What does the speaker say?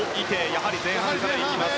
やはり前半からいきます。